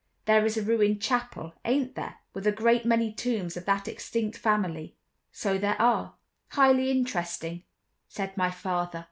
There is a ruined chapel, ain't there, with a great many tombs of that extinct family?" "So there are—highly interesting," said my father.